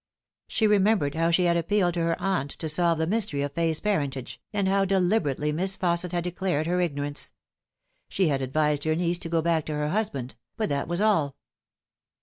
She remembered how she had appealed to her aunt to solve the mystery of Fay's parentage, and how deliberately Miss Fausset had declared her ignorance. She had advised her niece to go back to her husband, but that was all.